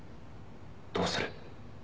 「どうする？」